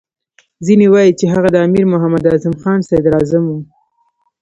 ځینې وایي چې هغه د امیر محمد اعظم خان صدراعظم وو.